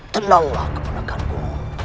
tenanglah keponakan ku